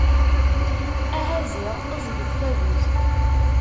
Aha ziɣ ẓẓeg-d tagut.